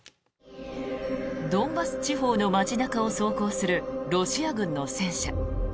ドンバス地方の街中を走行するロシア軍の戦車。